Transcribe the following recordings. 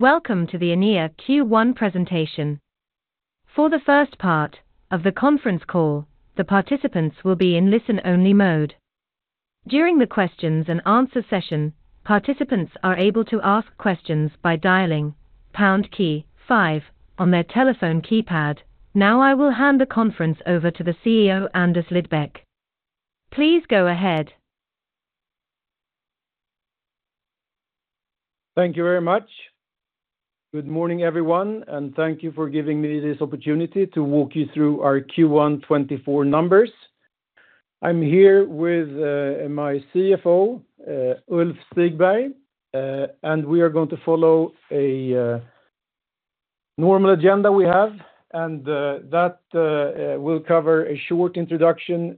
Welcome to the Enea Q1 presentation. For the first part of the conference call, the participants will be in listen-only mode. During the questions and answer session, participants are able to ask questions by dialing pound key five on their telephone keypad. Now, I will hand the conference over to the CEO, Anders Lidbeck. Please go ahead. Thank you very much. Good morning, everyone, and thank you for giving me this opportunity to walk you through our Q1 2024 numbers. I'm here with my CFO, Ulf Stigberg, and we are going to follow a normal agenda we have, and that will cover a short introduction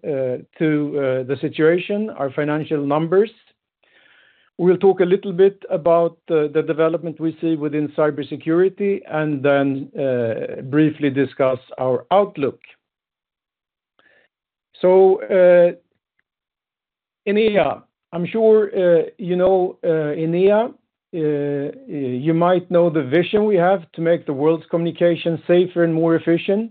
to the situation, our financial numbers. We'll talk a little bit about the development we see within cybersecurity, and then briefly discuss our outlook. So, Enea, I'm sure you know, Enea. You might know the vision we have to make the world's communication safer and more efficient.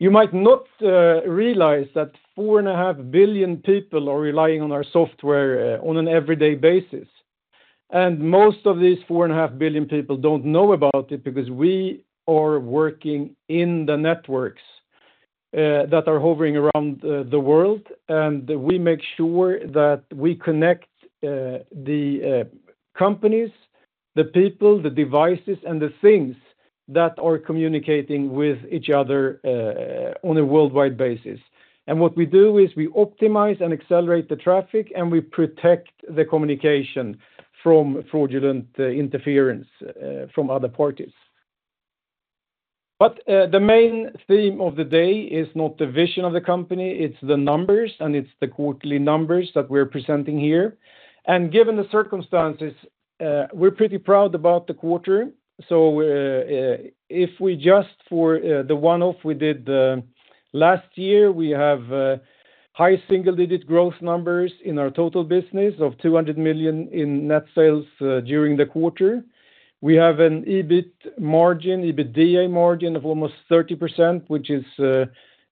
You might not realize that 4.5 billion people are relying on our software on an everyday basis, and most of these 4.5 billion people don't know about it because we are working in the networks that are hovering around the world. We make sure that we connect the companies, the people, the devices, and the things that are communicating with each other on a worldwide basis. What we do is we optimize and accelerate the traffic, and we protect the communication from fraudulent interference from other parties. The main theme of the day is not the vision of the company, it's the numbers, and it's the quarterly numbers that we're presenting here. Given the circumstances, we're pretty proud about the quarter. If we just adjust for the one-off we did last year, we have high single-digit growth numbers in our total business of 200 million in net sales during the quarter. We have an EBIT margin, EBITDA margin of almost 30%, which is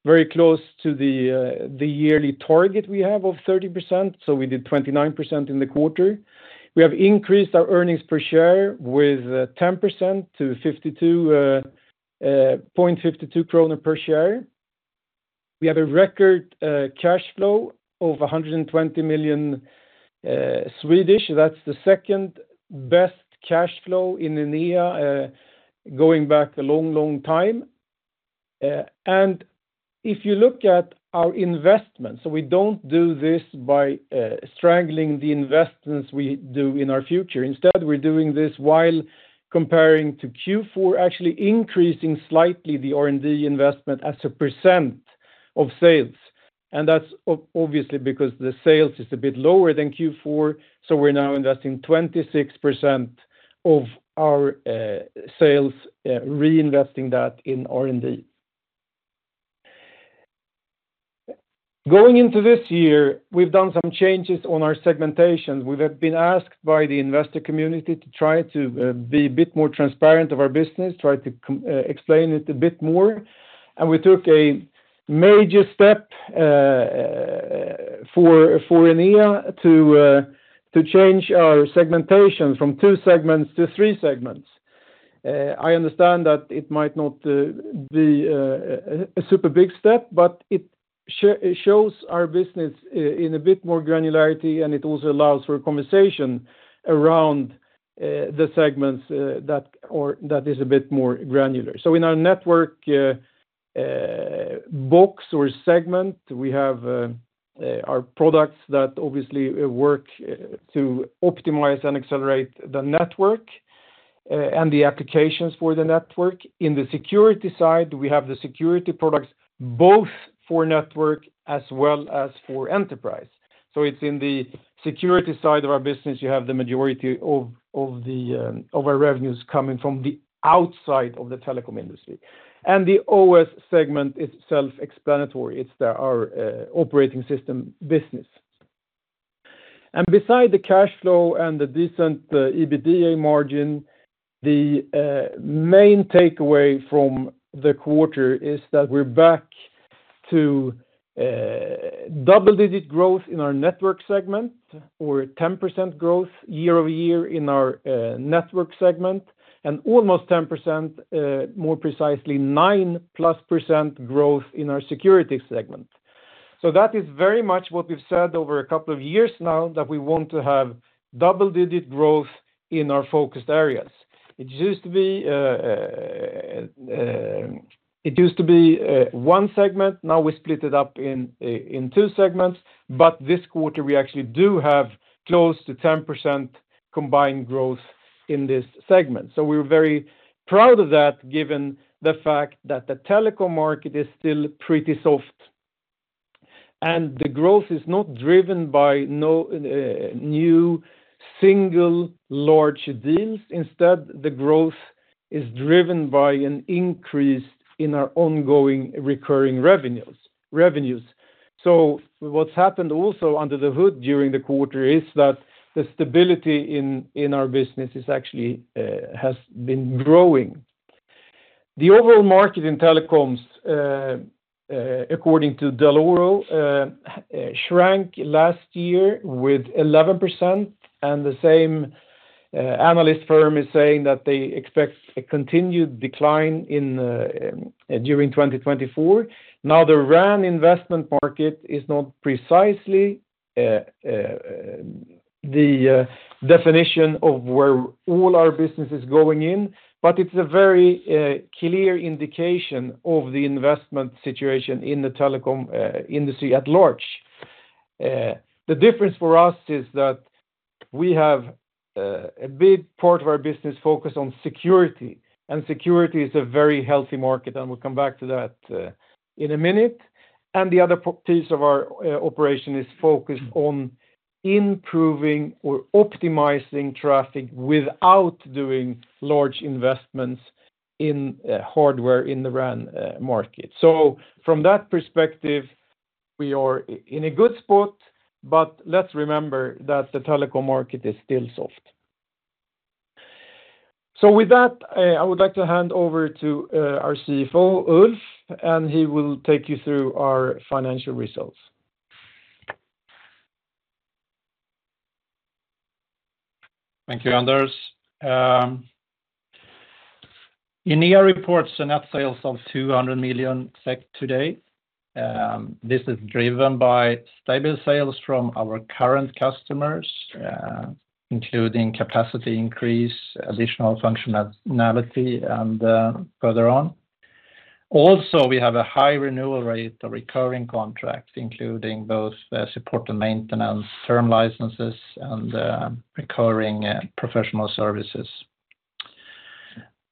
very close to the yearly target we have of 30%, so we did 29% in the quarter. We have increased our earnings per share with 10% to 0.52 kronor per share. We have a record cash flow of 120 million Swedish. That's the second-best cash flow in Enea going back a long, long time. And if you look at our investments, we don't do this by strangling the investments we do in our future. Instead, we're doing this while comparing to Q4, actually increasing slightly the R&D investment as a percent of sales. And that's obviously because the sales is a bit lower than Q4, so we're now investing 26% of our sales, reinvesting that in R&D. Going into this year, we've done some changes on our segmentation. We have been asked by the investor community to try to be a bit more transparent of our business, try to explain it a bit more. And we took a major step for Enea to change our segmentation from two segments to three segments. I understand that it might not be a super big step, but it shows our business in a bit more granularity, and it also allows for a conversation around the segments that is a bit more granular. So in our network operators segment, we have our products that obviously work to optimize and accelerate the network and the applications for the network. In the security side, we have the security products, both for network as well as for enterprise. So it's in the security side of our business, you have the majority of our revenues coming from the outside of the telecom industry. And the OS segment is self-explanatory. It's our operating system business. And beside the cash flow and the decent EBITDA margin, the main takeaway from the quarter is that we're back to double-digit growth in our network segment, or 10% growth year-over-year in our network segment, and almost 10%, more precisely, 9%+ growth in our security segment. So that is very much what we've said over a couple of years now, that we want to have double-digit growth in our focused areas. It used to be. It used to be one segment. Now we split it up in in two segments, but this quarter, we actually do have close to 10% combined growth in this segment. So we're very proud of that, given the fact that the telecom market is still pretty soft. The growth is not driven by no new single large deals. Instead, the growth is driven by an increase in our ongoing recurring revenues. So what's happened also under the hood during the quarter is that the stability in our business is actually has been growing. The overall market in telecoms according to Dell'Oro shrank last year with 11%, and the same analyst firm is saying that they expect a continued decline during 2024. Now, the RAN investment market is not precisely the definition of where all our business is going in, but it's a very clear indication of the investment situation in the telecom industry at large. The difference for us is that we have a big part of our business focused on security, and security is a very healthy market, and we'll come back to that in a minute. And the other piece of our operation is focused on improving or optimizing traffic without doing large investments in hardware in the RAN market. So from that perspective, we are in a good spot, but let's remember that the telecom market is still soft. So with that, I would like to hand over to our CFO, Ulf, and he will take you through our financial results. Thank you, Anders. Enea reports net sales of 200 million SEK today. This is driven by stable sales from our current customers, including capacity increase, additional functionality, and further on. Also, we have a high renewal rate of recurring contracts, including both support and maintenance, term licenses, and recurring professional services.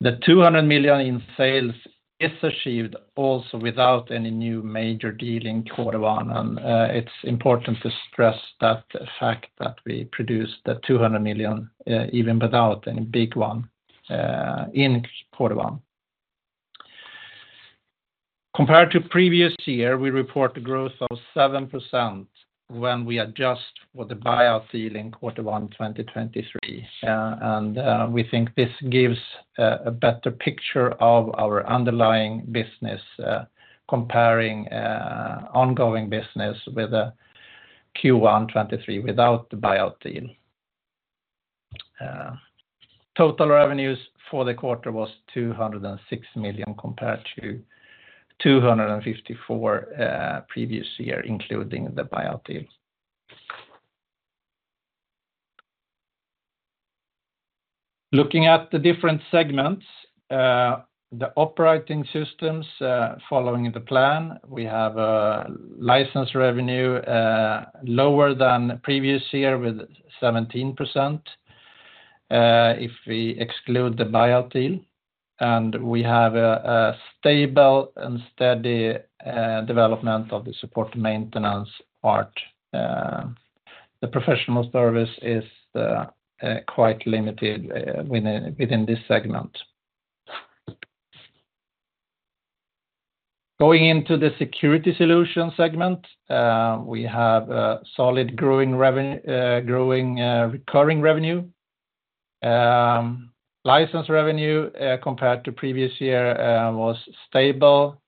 The 200 million in sales is achieved also without any new major deal in quarter one, and it's important to stress the fact that we produced the 200 million even without any big one in quarter one. Compared to previous year, we report a growth of 7% when we adjust for the buyout deal in quarter one, 2023. And we think this gives a better picture of our underlying business, comparing ongoing business with a Q1 2023 without the buyout deal. Total revenues for the quarter was 206 million compared to 254 million previous year, including the buyout deal. Looking at the different segments, the operating systems, following the plan, we have a license revenue lower than previous year with 17%, if we exclude the buyout deal, and we have a stable and steady development of the support maintenance part. The professional service is quite limited within this segment. Going into the security solution segment, we have a solid growing recurring revenue. License revenue compared to previous year was stable.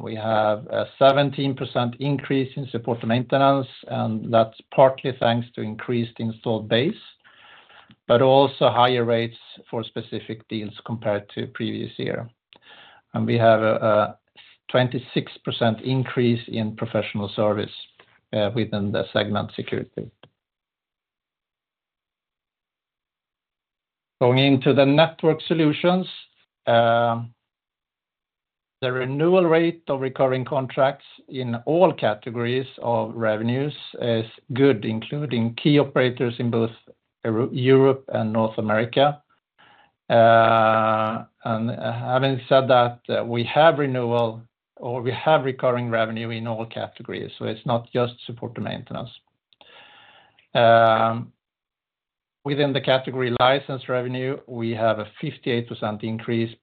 We have a 17% increase in support maintenance, and that's partly thanks to increased installed base, but also higher rates for specific deals compared to previous year. We have a 26% increase in professional service within the segment security. Going into the network solutions, the renewal rate of recurring contracts in all categories of revenues is good, including key operators in both Europe and North America. And having said that, we have renewal or we have recurring revenue in all categories, so it's not just support and maintenance. Within the category license revenue, we have a 58% increase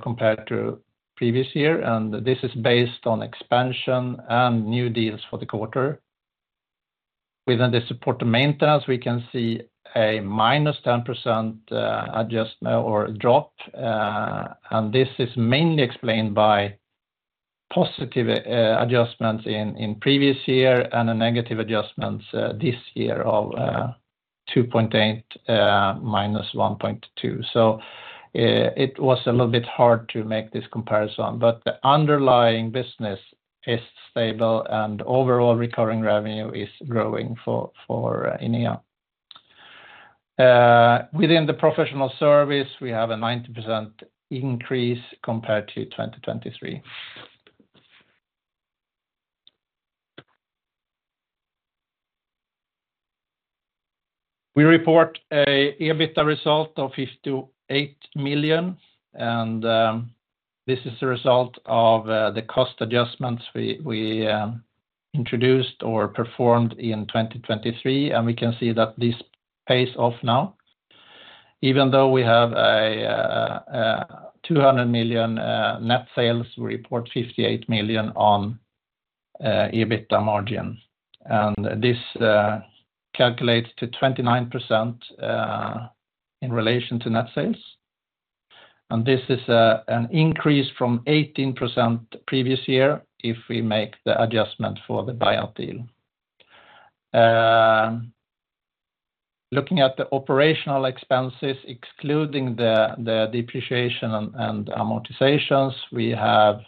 compared to previous year, and this is based on expansion and new deals for the quarter. Within the support maintenance, we can see a -10% adjust or drop, and this is mainly explained by positive adjustments in previous year and a negative adjustments this year of 2.8 - 1.2. So, it was a little bit hard to make this comparison, but the underlying business is stable, and overall recurring revenue is growing for Enea. Within the professional service, we have a 90% increase compared to 2023. We report a EBITDA result of 58 million, and. This is the result of the cost adjustments we introduced or performed in 2023, and we can see that this pays off now. Even though we have a 200 million net sales, we report 58 million on EBITDA margin. This calculates to 29% in relation to net sales. This is an increase from 18% previous year if we make the adjustment for the buyout deal. Looking at the operational expenses, excluding the depreciation and amortizations, we have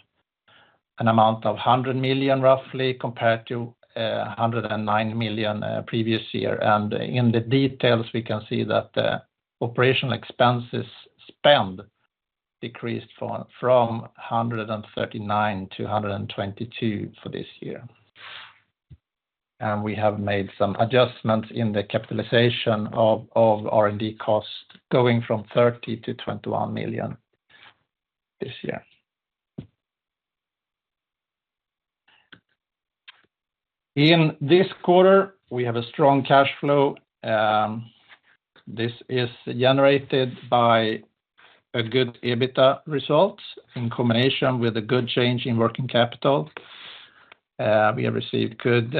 an amount of 100 million, roughly, compared to 109 million previous year. In the details, we can see that the operational expenses spend decreased from 139 million to 122 million for this year. We have made some adjustments in the capitalization of R&D costs, going from 30 million to 21 million this year. In this quarter, we have a strong cash flow. This is generated by a good EBITDA result in combination with a good change in working capital. We have received good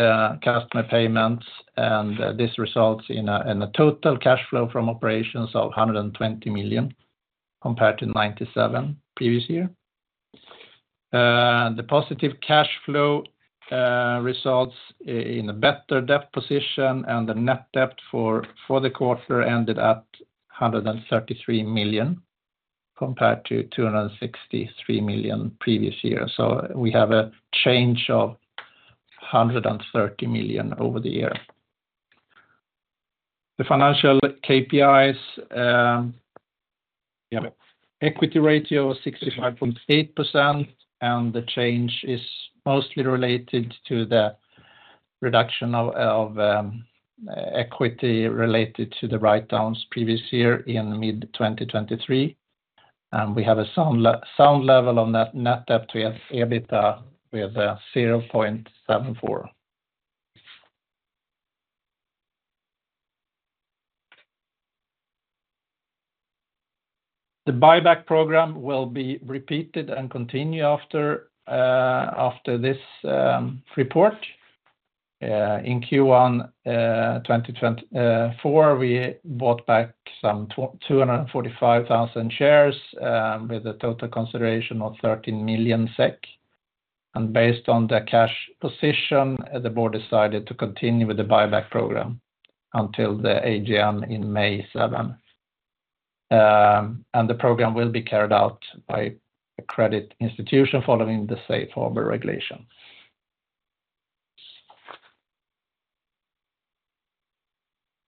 customer payments, and this results in a total cash flow from operations of 120 million compared to 97 million previous year. The positive cash flow results in a better debt position, and the net debt for the quarter ended at 133 million, compared to 263 million previous year. So we have a change of 130 million over the year. The financial KPIs, equity ratio is 65.8%, and the change is mostly related to the reduction of equity related to the write-downs previous year in mid-2023. And we have a sound level on that net debt with EBITDA with 0.74. The buyback program will be repeated and continue after this report. In Q1 2024, we bought back 245,000 shares with a total consideration of 13 million SEK. Based on the cash position, the board decided to continue with the buyback program until the AGM in May 7. The program will be carried out by a credit institution following the Safe Harbor Regulation.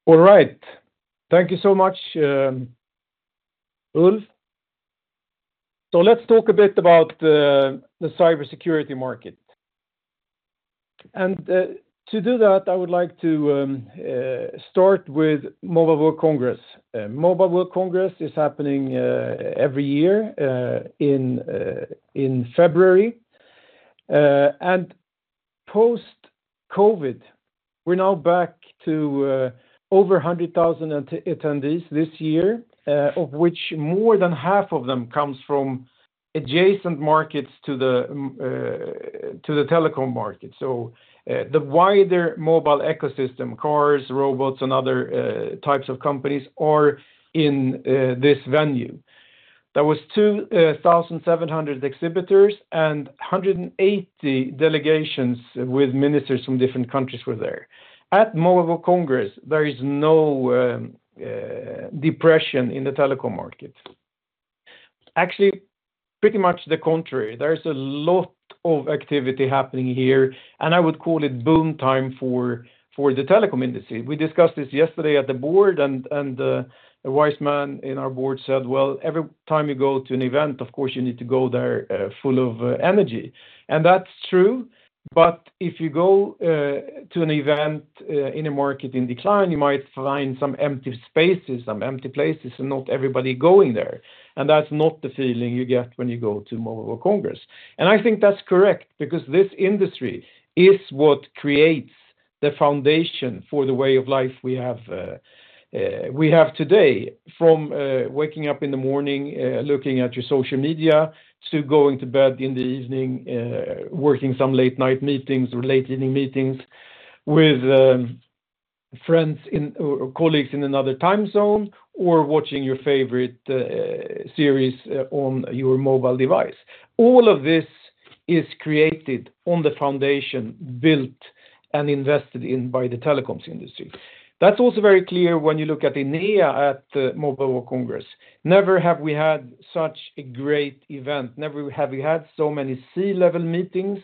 All right. Thank you so much, Ulf. So let's talk a bit about the cybersecurity market. To do that, I would like to start with Mobile World Congress. Mobile World Congress is happening every year in February. And post-COVID, we're now back to over 100,000 attendees this year, of which more than half of them comes from adjacent markets to the telecom market. So, the wider mobile ecosystem, cars, robots, and other types of companies, are in this venue. There was 2,700 exhibitors, and 180 delegations with ministers from different countries were there. At Mobile World Congress, there is no depression in the telecom market. Actually, pretty much the contrary. There is a lot of activity happening here, and I would call it boom time for the telecom industry. We discussed this yesterday at the board, and a wise man in our board said, "Well, every time you go to an event, of course, you need to go there full of energy." And that's true, but if you go to an event in a market in decline, you might find some empty spaces, some empty places, and not everybody going there. And that's not the feeling you get when you go to Mobile World Congress. And I think that's correct, because this industry is what creates the foundation for the way of life we have today. From waking up in the morning, looking at your social media, to going to bed in the evening, working some late-night meetings or late evening meetings with friends or colleagues in another time zone, or watching your favorite series on your mobile device. All of this is created on the foundation built and invested in by the telecoms industry. That's also very clear when you look at Enea at the Mobile World Congress. Never have we had such a great event. Never have we had so many C-level meetings,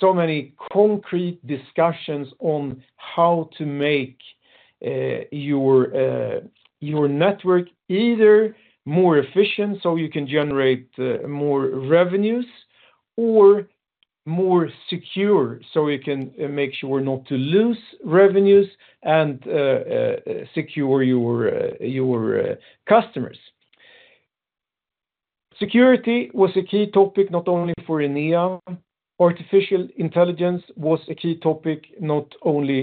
so many concrete discussions on how to make your network either more efficient, so you can generate more revenues or more secure, so you can make sure not to lose revenues and secure your customers. Security was a key topic, not only for Enea. Artificial intelligence was a key topic, not only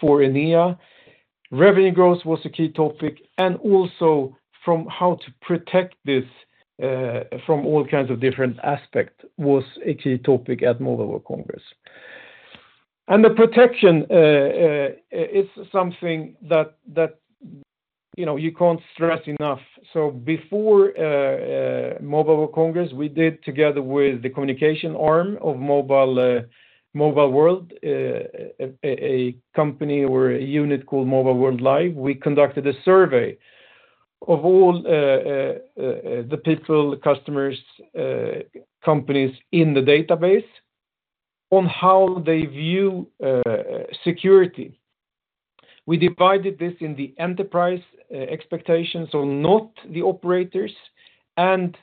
for Enea. Revenue growth was a key topic, and also from how to protect this from all kinds of different aspect was a key topic at Mobile World Congress. The protection, it's something that, you know, you can't stress enough. Before Mobile World Congress, we did together with the communication arm of Mobile World, a company or a unit called Mobile World Live, we conducted a survey of all the people, customers, companies in the database on how they view security. We divided this in the enterprise expectations, so not the operators, and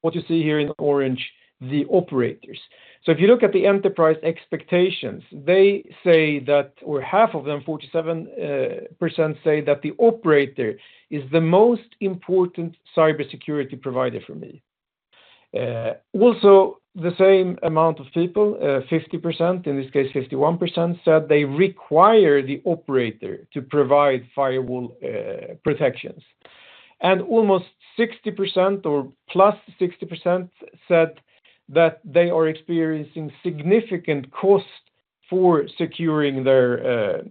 what you see here in orange, the operators. So if you look at the enterprise expectations, they say that, or half of them, 47%, say that the operator is the most important cybersecurity provider for me. Also, the same amount of people, 50%, in this case, 51%, said they require the operator to provide firewall protections. And almost 60%, or plus 60%, said that they are experiencing significant cost for securing their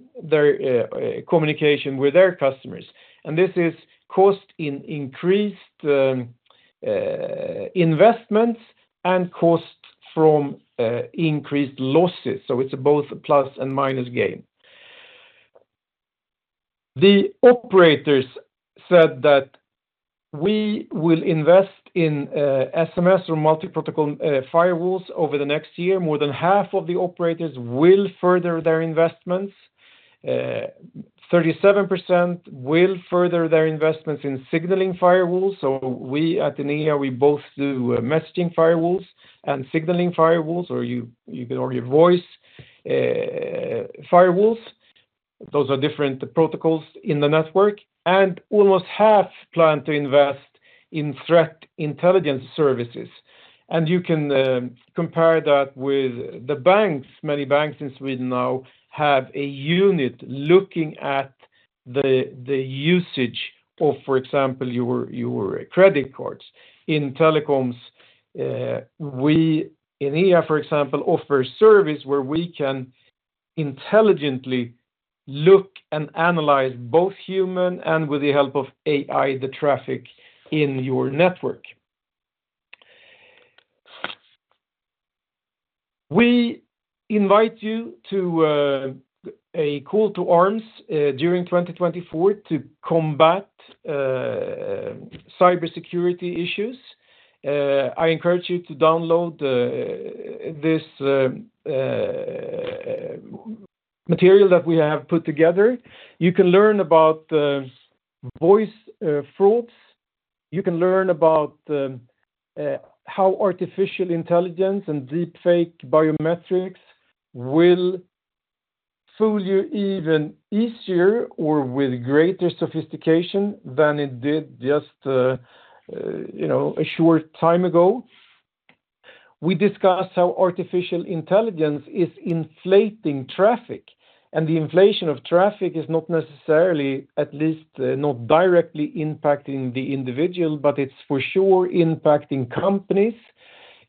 communication with their customers. And this is cost in increased investments and cost from increased losses. So it's both a plus and minus gain. The operators said that we will invest in SMS or multi-protocol firewalls over the next year. More than half of the operators will further their investments. 37% will further their investments in signaling firewalls. So we at Enea, we both do messaging firewalls and signaling firewalls, or you can argue, voice firewalls. Those are different protocols in the network, and almost half plan to invest in threat intelligence services. You can compare that with the banks. Many banks in Sweden now have a unit looking at the usage of, for example, your credit cards. In telecoms, we, Enea, for example, offer a service where we can intelligently look and analyze both human and with the help of AI, the traffic in your network. We invite you to a call to arms during 2024 to combat cybersecurity issues. I encourage you to download this material that we have put together. You can learn about voice frauds. You can learn about how artificial intelligence and deepfake biometrics will fool you even easier or with greater sophistication than it did just, you know, a short time ago. We discussed how artificial intelligence is inflating traffic, and the inflation of traffic is not necessarily, at least not directly impacting the individual, but it's for sure impacting companies.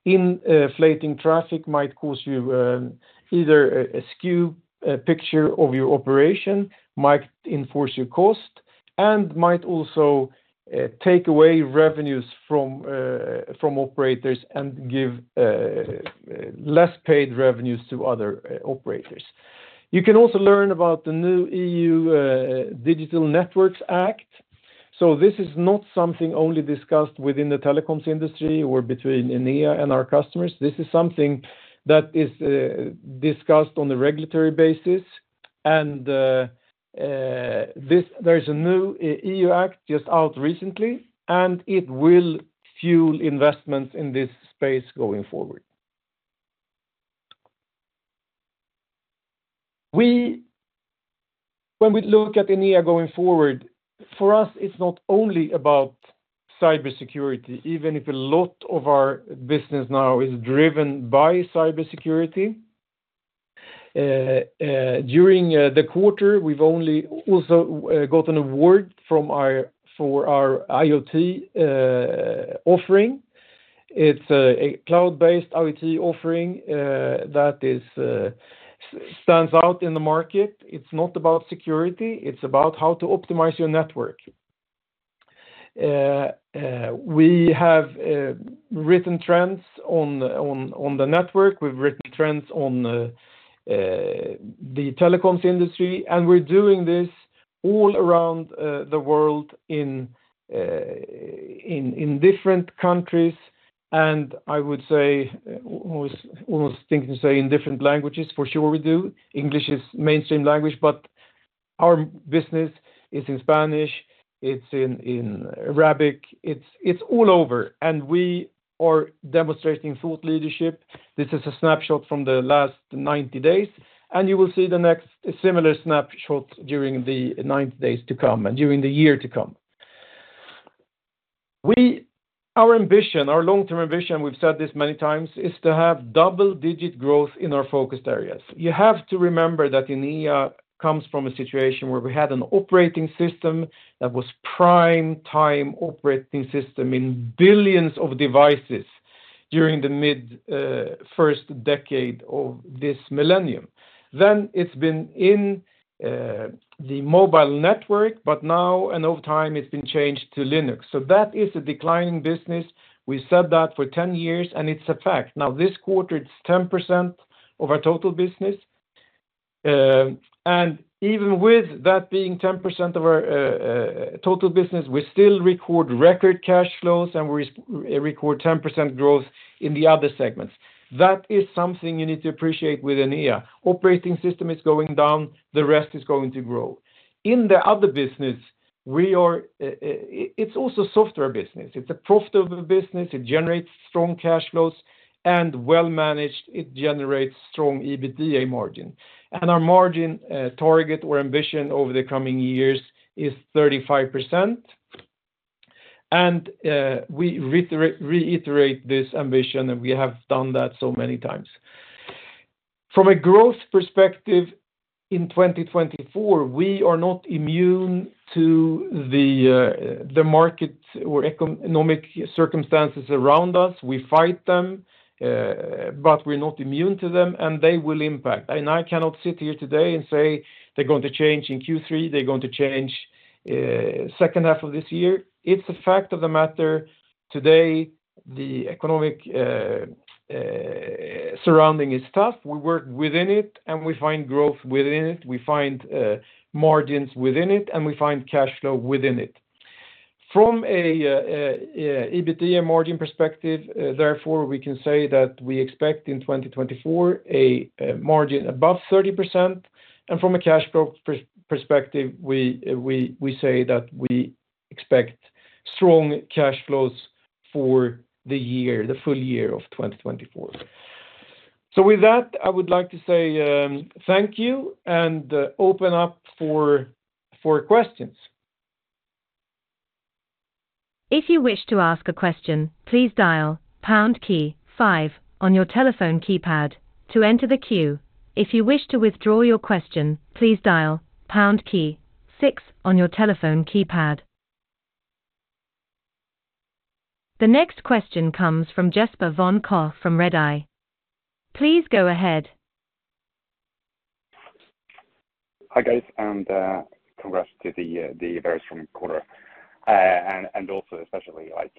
Inflating traffic might cause you either a skew picture of your operation, might enforce your cost, and might also take away revenues from operators and give less paid revenues to other operators. You can also learn about the new EU Digital Networks Act. So this is not something only discussed within the telecoms industry or between Enea and our customers. This is something that is discussed on a regulatory basis, and there's a new EU act just out recently, and it will fuel investments in this space going forward. When we look at Enea going forward, for us, it's not only about cybersecurity, even if a lot of our business now is driven by cybersecurity. During the quarter, we've only also got an award for our IoT offering. It's a cloud-based IoT offering that stands out in the market. It's not about security, it's about how to optimize your network. We have written trends on the network. We've written trends on the telecoms industry, and we're doing this all around the world in different countries, and I would say, almost thinking to say in different languages, for sure we do. English is the mainstream language, but our business is in Spanish, it's in Arabic, it's all over, and we are demonstrating thought leadership. This is a snapshot from the last 90 days, and you will see the next similar snapshot during the 90 days to come and during the year to come. Our ambition, our long-term ambition, we've said this many times, is to have double-digit growth in our focused areas. You have to remember that Enea comes from a situation where we had an operating system that was the prime time operating system in billions of devices during the mid-first decade of this millennium. Then it's been in the mobile network, but now and over time, it's been changed to Linux. So that is a declining business. We said that for 10 years, and it's a fact. Now, this quarter, it's 10% of our total business. And even with that being 10% of our total business, we still record record cash flows, and we record 10% growth in the other segments. That is something you need to appreciate with Enea. Operating system is going down, the rest is going to grow. In the other business, we are. It's also software business. It's a profitable business, it generates strong cash flows, and well-managed, it generates strong EBITDA margin. And our margin target or ambition over the coming years is 35%, and we reiterate this ambition, and we have done that so many times. From a growth perspective, in 2024, we are not immune to the market or economic circumstances around us. We fight them, but we're not immune to them, and they will impact. And I cannot sit here today and say they're going to change in Q3, second half of this year. It's a fact of the matter, today, the economic surrounding is tough. We work within it, and we find growth within it. We find margins within it, and we find cash flow within it. From a EBITDA margin perspective, therefore, we can say that we expect in 2024, a margin above 30%, and from a cash flow perspective, we say that we expect strong cash flows for the year, the full year of 2024. So with that, I would like to say, thank you, and open up for questions. If you wish to ask a question, please dial pound key five on your telephone keypad to enter the queue. If you wish to withdraw your question, please dial pound key six on your telephone keypad. The next question comes from Jesper von Koch from Redeye. Please go ahead. Hi, guys, and congrats to the very strong quarter, and also especially, like,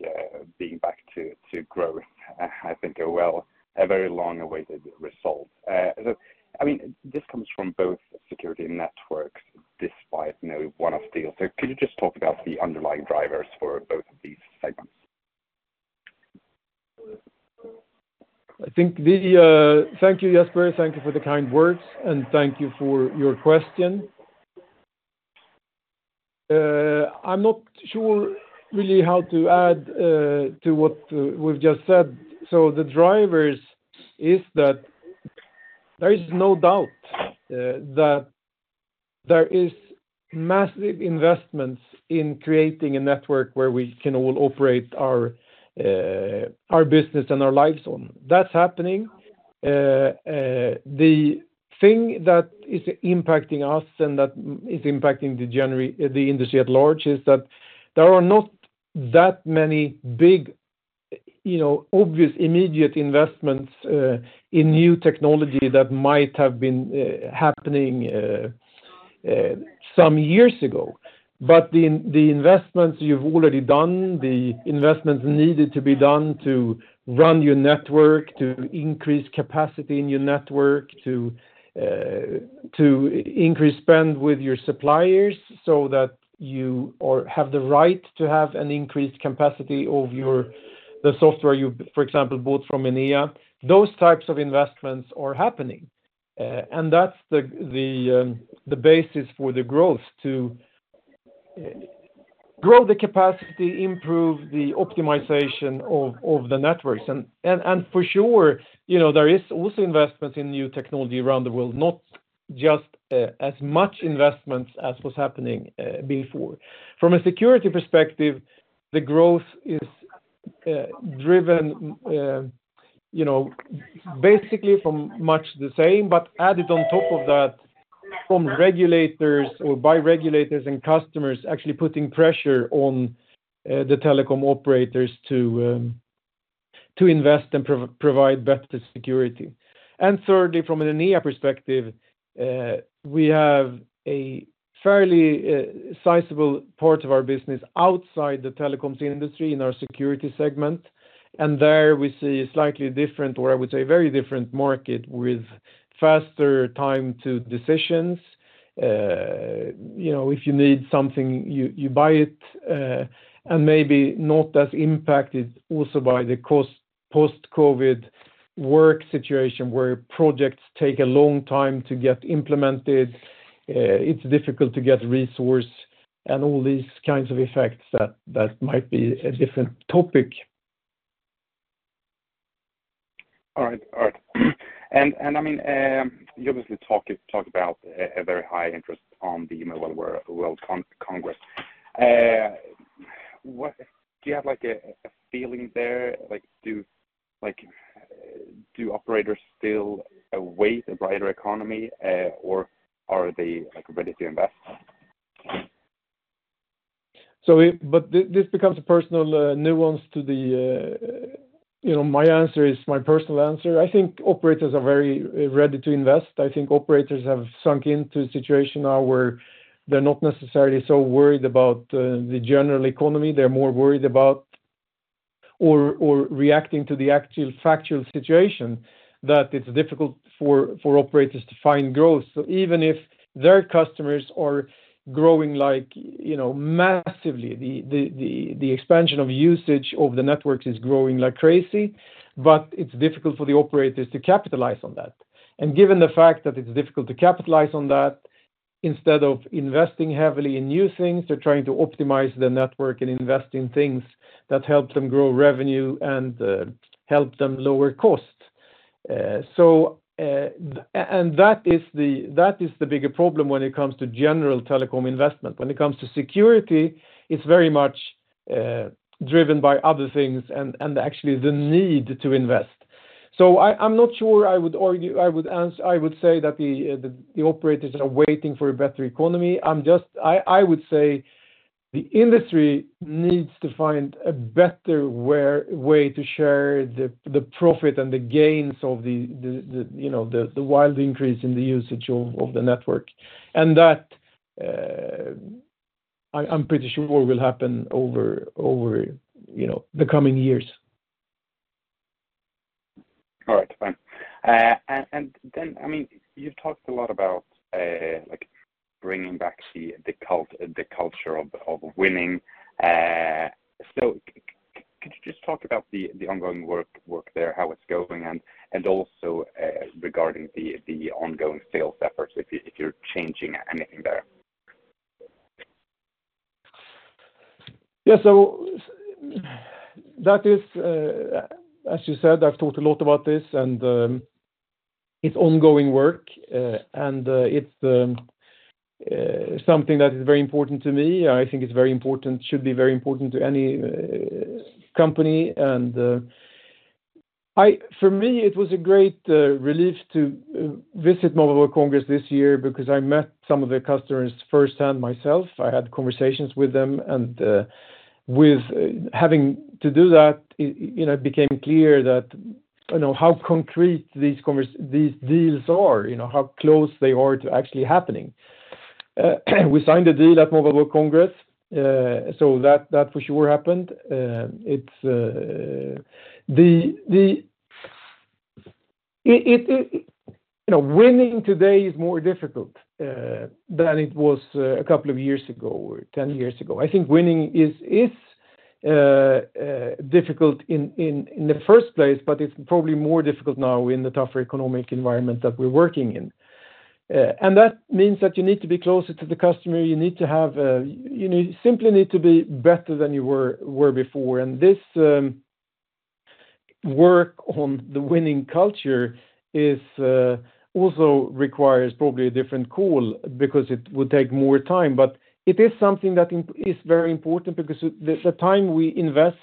being back to growth, I think, well, a very long-awaited result. So, I mean, this comes from both security and networks, despite no one-off deal. So could you just talk about the underlying drivers for both of these segments? Thank you, Jesper. Thank you for the kind words, and thank you for your question. I'm not sure really how to add to what we've just said. So the drivers is that there is no doubt that there is massive investments in creating a network where we can all operate our business and our lives on. That's happening. The thing that is impacting us and that is impacting the industry at large, is that there are not that many big, you know, obvious, immediate investments in new technology that might have been happening some years ago. But the investments you've already done, the investments needed to be done to run your network, to increase capacity in your network, to increase spend with your suppliers so that you or have the right to have an increased capacity of your, the software you, for example, bought from Enea, those types of investments are happening. And that's the basis for the growth, to grow the capacity, improve the optimization of the networks. And for sure, you know, there is also investments in new technology around the world, not just as much investments as was happening before. From a security perspective, the growth is driven, you know, basically from much the same, but added on top of that, from regulators or by regulators and customers actually putting pressure on the telecom operators to invest and provide better security. And thirdly, from an Enea perspective, we have a fairly sizable part of our business outside the telecoms industry in our security segment, and there we see a slightly different, or I would say, a very different market with faster time to decisions. You know, if you need something, you buy it, and maybe not as impacted also by the post-COVID work situation where projects take a long time to get implemented. It's difficult to get resource and all these kinds of effects that might be a different topic. All right. All right. And I mean, you obviously talk about a very high interest on the Mobile World Congress. What do you have, like, a feeling there? Like, do operators still await a brighter economy, or are they, like, ready to invest? But this becomes a personal nuance to the, you know, my answer is my personal answer. I think operators are very ready to invest. I think operators have sunk into a situation now where they're not necessarily so worried about the general economy. They're more worried about or reacting to the actual factual situation, that it's difficult for operators to find growth. So even if their customers are growing, like, you know, massively, the expansion of usage of the networks is growing like crazy, but it's difficult for the operators to capitalize on that. And given the fact that it's difficult to capitalize on that, instead of investing heavily in new things, they're trying to optimize their network and invest in things that help them grow revenue and help them lower costs. And that is the bigger problem when it comes to general telecom investment. When it comes to security, it's very much driven by other things and actually the need to invest. So I'm not sure I would argue. I would say that the operators are waiting for a better economy. I'm just. I would say the industry needs to find a better way to share the profit and the gains of the, you know, the wild increase in the usage of the network. And that, I'm pretty sure will happen over, you know, the coming years. All right, fine. And then, I mean, you've talked a lot about, like, bringing back the culture of winning. So could you just talk about the ongoing work there, how it's going, and also, regarding the ongoing sales efforts, if you're changing anything there? Yeah, so that is, as you said, I've talked a lot about this, and, it's ongoing work, and, it's, something that is very important to me. I think it's very important, should be very important to any, company. And, for me, it was a great, relief to, visit Mobile World Congress this year because I met some of the customers firsthand myself. I had conversations with them, and, with having to do that, you know, it became clear that, you know, how concrete these deals are, you know, how close they are to actually happening. We signed a deal at Mobile World Congress, so that, that for sure happened. You know, winning today is more difficult than it was a couple of years ago or ten years ago. I think winning is difficult in the first place, but it's probably more difficult now in the tougher economic environment that we're working in. And that means that you need to be closer to the customer. You need to have, you know, you simply need to be better than you were before. And this work on the winning culture is also requires probably a different call because it would take more time. But it is something that is very important because the time we invest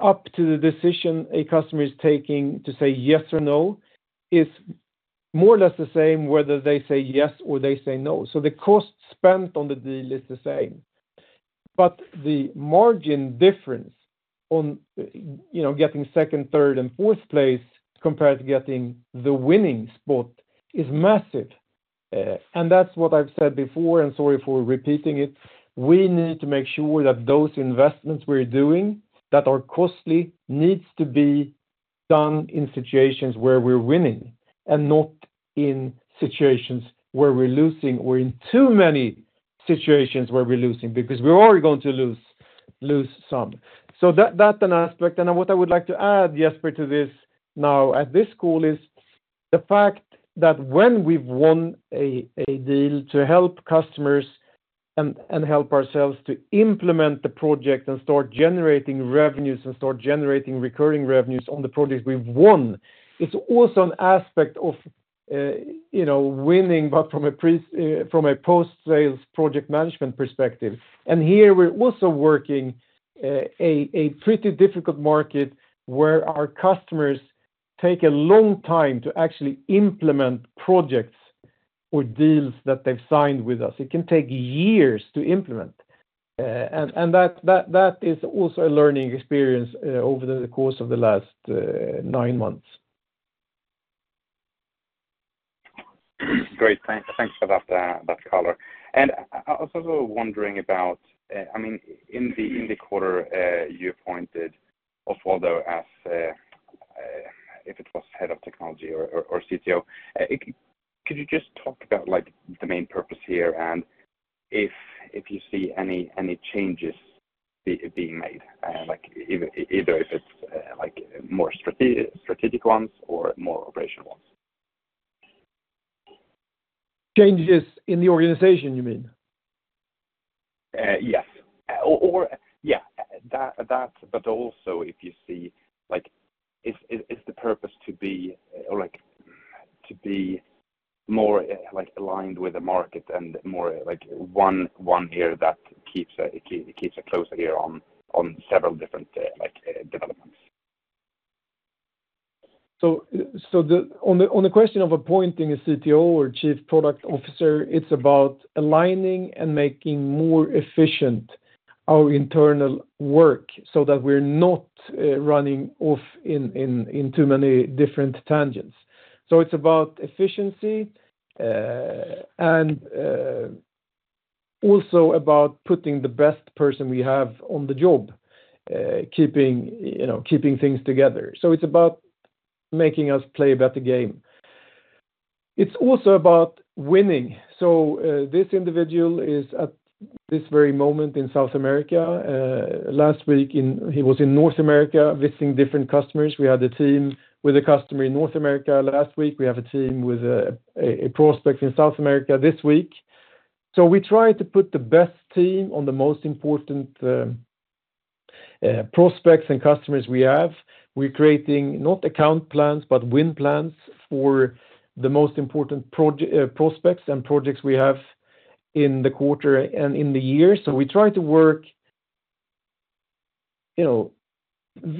up to the decision a customer is taking to say yes or no is more or less the same whether they say yes or they say no. So the cost spent on the deal is the same. But the margin difference on, you know, getting second, third, and fourth place compared to getting the winning spot is massive. And that's what I've said before, and sorry for repeating it, we need to make sure that those investments we're doing, that are costly, needs to be done in situations where we're winning, and not in situations where we're losing, or in too many situations where we're losing, because we're already going to lose some. So that's an aspect. What I would like to add, Jesper, to this now, at this call is the fact that when we've won a deal to help customers and help ourselves to implement the project and start generating revenues and start generating recurring revenues on the projects we've won, it's also an aspect of, you know, winning, but from a post-sales project management perspective. And here, we're also working a pretty difficult market where our customers take a long time to actually implement projects or deals that they've signed with us. It can take years to implement. And that is also a learning experience over the course of the last nine months. Great. Thanks, thanks for that, that color. And I was also wondering about, I mean, in the quarter, you appointed Osvaldo as a, it was head of technology or CTO. Could you just talk about like the main purpose here, and if you see any changes being made, and like, either if it's like more strategic ones or more operational ones? Changes in the organization, you mean? Yes. Or, yeah, that, but also if you see, like, is the purpose to be or like, to be more, like, aligned with the market and more like one ear that keeps a closer ear on several different, like, developments. So the question of appointing a CTO or Chief Product Officer, it's about aligning and making more efficient our internal work so that we're not running off in too many different tangents. So it's about efficiency and also about putting the best person we have on the job, keeping, you know, keeping things together. So it's about making us play a better game. It's also about winning. So this individual is at this very moment in South America. Last week he was in North America, visiting different customers. We had a team with a customer in North America last week. We have a team with a prospect in South America this week. So we try to put the best team on the most important prospects and customers we have. We're creating not account plans, but win plans for the most important prospects and projects we have in the quarter and in the year. So we try to work, you know,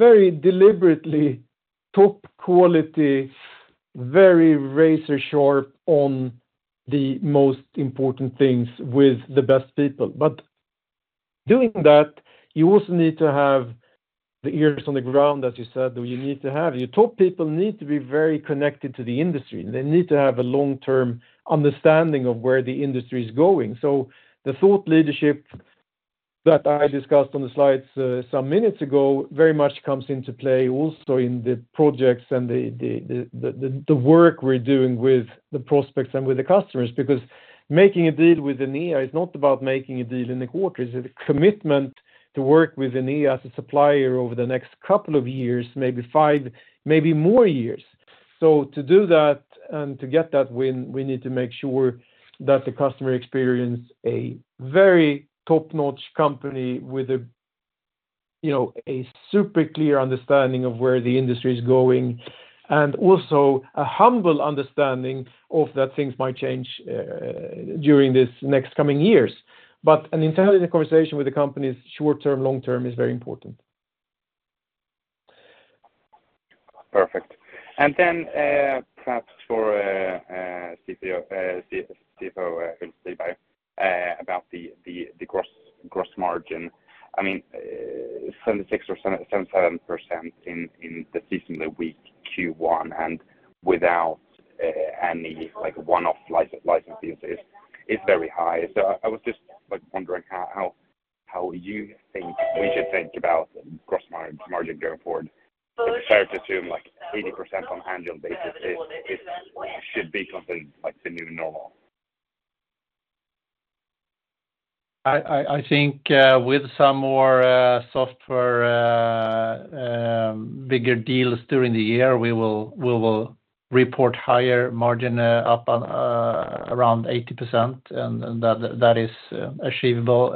very deliberately, top quality, very razor sharp on the most important things with the best people. But doing that, you also need to have the ears on the ground, as you said, you need to have. Your top people need to be very connected to the industry. They need to have a long-term understanding of where the industry is going. So the thought leadership that I discussed on the slides, some minutes ago, very much comes into play also in the projects and the work we're doing with the prospects and with the customers. Because making a deal with Enea is not about making a deal in the quarter, it's a commitment to work with Enea as a supplier over the next couple of years, maybe five, maybe more years. So to do that and to get that win, we need to make sure that the customer experience a very top-notch company with a, you know, a super clear understanding of where the industry is going, and also a humble understanding of that things might change during this next coming years. But an entirely conversation with the company's short term, long term, is very important. Perfect. And then, perhaps for CFO, about the gross margin. I mean, 76 or 77, 77% in the seasonally weak Q1, and without any, like, one-off license deals is very high. So I was just, like, wondering how you think we should think about gross margin going forward? Fair to assume, like, 80% on annual basis is should be something like the new normal. I think with some more software bigger deals during the year, we will report higher margin up on around 80%, and that is achievable.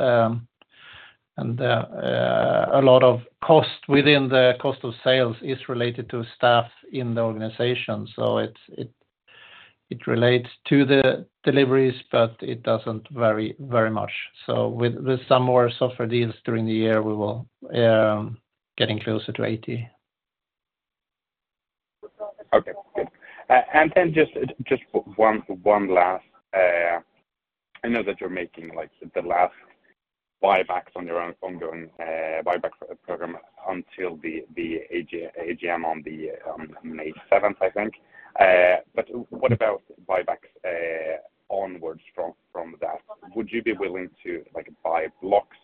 A lot of cost within the cost of sales is related to staff in the organization, so it relates to the deliveries, but it doesn't vary very much. So with some more software deals during the year, we will getting closer to 80. Okay, good. And then just one last. I know that you're making, like, the last buybacks on your ongoing buyback program until the AGM on May seventh, I think. But what about buybacks onwards from that? Would you be willing to, like, buy blocks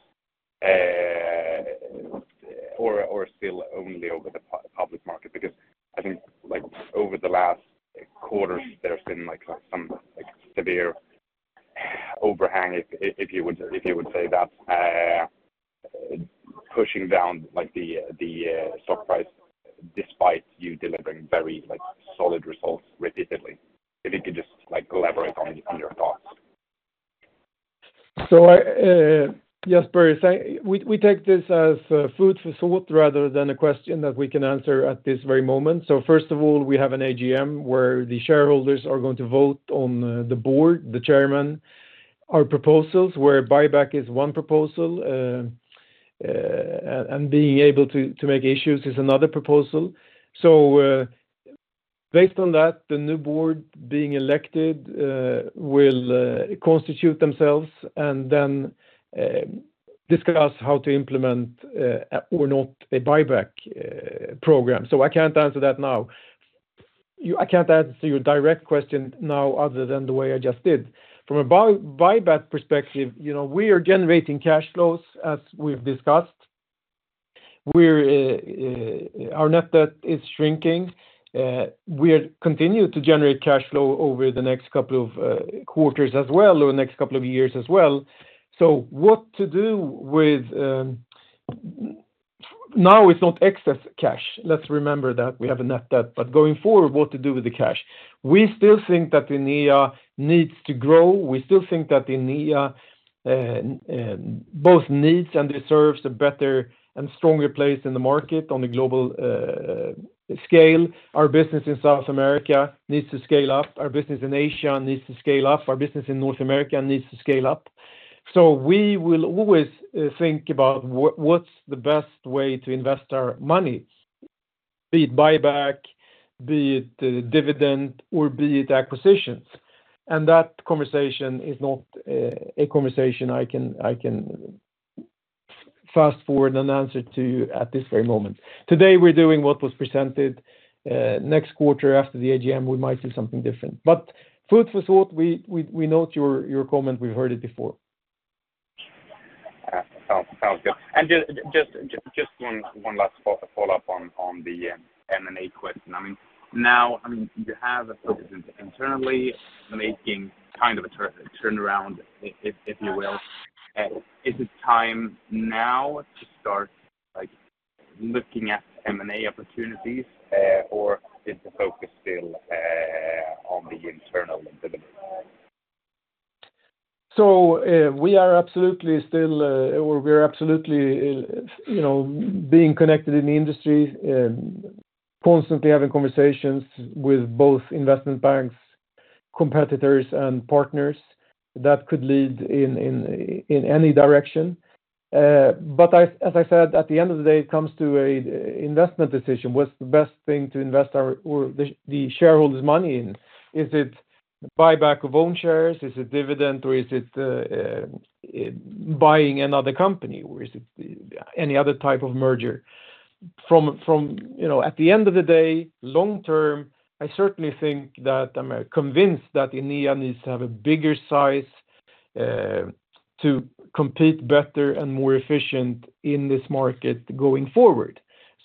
or still only over the public market? Because I think, like, over the last quarters, there's been, like, some, like, severe overhang, if you would say that, pushing down, like, the stock price, despite you delivering very, like, solid results repeatedly. If you could just, like, elaborate on your thoughts. So I, Jesper, say we, we take this as food for thought rather than a question that we can answer at this very moment. So first of all, we have an AGM, where the shareholders are going to vote on the board, the chairman, our proposals, where buyback is one proposal, and being able to, to make issues is another proposal. So, based on that, the new board being elected will constitute themselves and then discuss how to implement or not a buyback program. So I can't answer that now. You, I can't answer your direct question now other than the way I just did. From a buyback perspective, you know, we are generating cash flows as we've discussed. We're our net debt is shrinking. We continue to generate cash flow over the next couple of quarters as well, or the next couple of years as well. So what to do with, now it's not excess cash. Let's remember that we have a net debt, but going forward, what to do with the cash? We still think that Enea needs to grow. We still think that Enea both needs and deserves a better and stronger place in the market on the global scale. Our business in South America needs to scale up, our business in Asia needs to scale up, our business in North America needs to scale up. So we will always think about what's the best way to invest our money, be it buyback, be it dividend, or be it acquisitions. That conversation is not a conversation I can, I can fast forward an answer to you at this very moment. Today, we're doing what was presented. Next quarter, after the AGM, we might do something different. But food for thought, we, we, we note your, your comment. We've heard it before. Sounds good. And just one last follow-up on the M&A question. I mean, now, I mean, you have a focus internally, making kind of a turnaround, if you will. Is it time now to start, like, looking at M&A opportunities, or is the focus still on the internal delivery? So, we are absolutely still, we're absolutely, you know, being connected in the industry, constantly having conversations with both investment banks, competitors, and partners that could lead in any direction. But as I said, at the end of the day, it comes to an investment decision. What's the best thing to invest our or the shareholders' money in? Is it buyback of own shares? Is it dividend, or is it buying another company, or is it any other type of merger? You know, at the end of the day, long term, I certainly think that I'm convinced that Enea needs to have a bigger size to compete better and more efficient in this market going forward.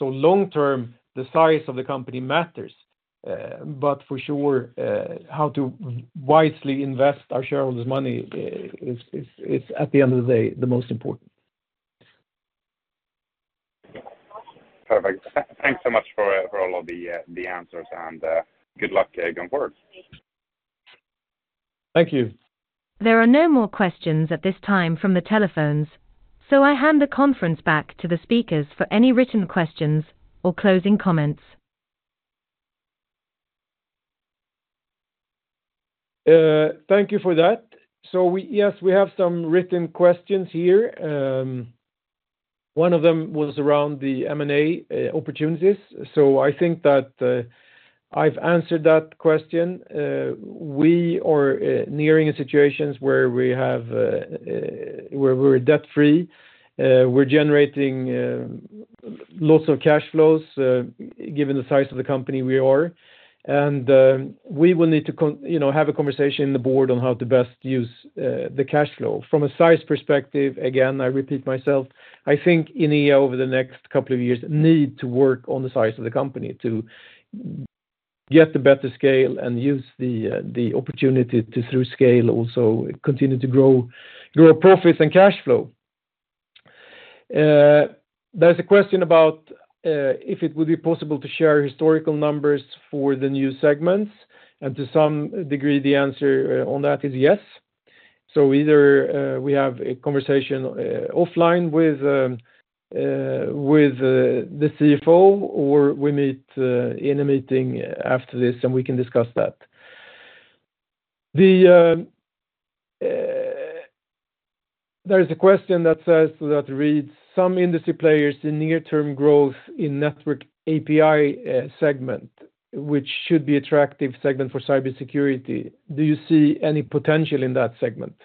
Long term, the size of the company matters, but for sure, how to wisely invest our shareholders' money is, at the end of the day, the most important. Perfect. Thanks so much for all of the answers, and good luck going forward. Thank you. There are no more questions at this time from the telephones, so I hand the conference back to the speakers for any written questions or closing comments. Thank you for that. So we yes, we have some written questions here. One of them was around the M&A opportunities. So, I think that I've answered that question. We are nearing a situation where we have, where we're debt-free. We're generating lots of cash flows, given the size of the company we are. And we will need to, you know, have a conversation in the board on how to best use the cash flow. From a size perspective, again, I repeat myself, I think Enea, over the next couple of years, need to work on the size of the company to get a better scale and use the opportunity to, through scale, also continue to grow our profits and cash flow. There's a question about if it would be possible to share historical numbers for the new segments, and to some degree, the answer on that is yes. So either we have a conversation offline with the CFO, or we meet in a meeting after this, and we can discuss that. There is a question that says, that reads: Some industry players the near-term growth in network API segment, which should be attractive segment for cybersecurity. Do you see any potential in that segment?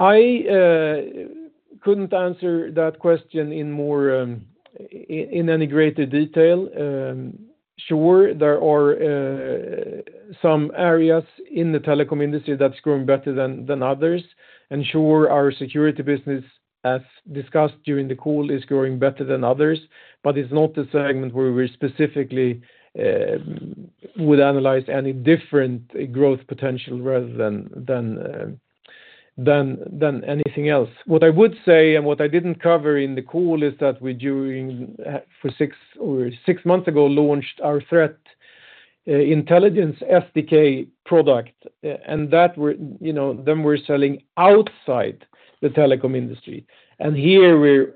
I couldn't answer that question in more in any greater detail. Sure, there are some areas in the telecom industry that's growing better than others. And sure, our security business, as discussed during the call, is growing better than others, but it's not a segment where we specifically would analyze any different growth potential rather than anything else. What I would say, and what I didn't cover in the call, is that we six months ago launched our threat intelligence SDK product, and that we're, you know, selling outside the telecom industry. And here we're,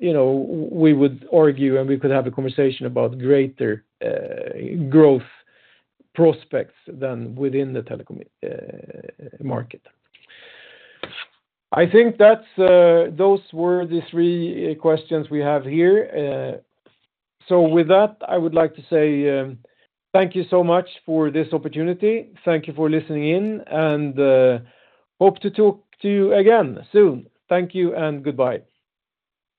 you know, we would argue, and we could have a conversation about greater growth prospects than within the telecom market. I think that's those were the three questions we have here. So with that, I would like to say thank you so much for this opportunity. Thank you for listening in, and hope to talk to you again soon. Thank you, and goodbye.